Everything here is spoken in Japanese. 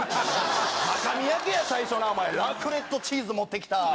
赤身焼けや、最初、ラクレットチーズ持ってきた。